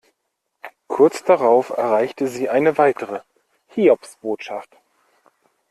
Kurz darauf erreichte sie eine weitere Hiobsbotschaft.